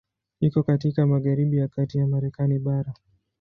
Iko katika magharibi ya kati ya Marekani bara.